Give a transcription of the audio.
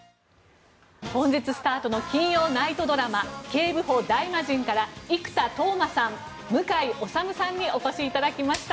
本日スタートの金曜ナイトドラマ「警部補ダイマジン」から生田斗真さん、向井理さんにお越しいただきました。